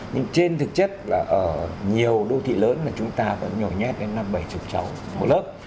nhưng trên thực chất là ở nhiều đô thị lớn mà chúng ta vẫn nhồi nhét đến năm bảy mươi cháu một lớp